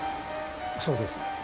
そうです。